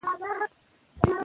خو تیږه تیږه ماتوي